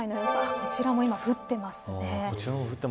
こちらも今、降っていますね。